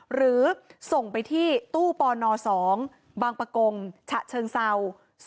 หรือส่งไปที่ตู้ปน๒บางประกงฉะเชิงเศร้า